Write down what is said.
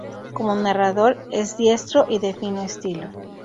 Como narrador, es diestro y de fino estilo.